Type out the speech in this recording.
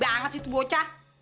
pertan banget si tu bocah